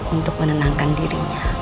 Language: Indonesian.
untuk menenangkan dirinya